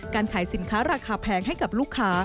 การขายสินค้าราคาแพงให้กับลูกค้า